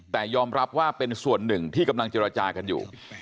แต่ยอมรับว่าเป็นส่วนหนึ่งที่กำลังเจรจากันอยู่